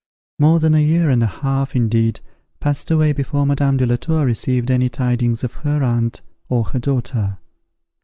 More than a year and a half, indeed, passed away before Madame de la Tour received any tidings of her aunt or her daughter.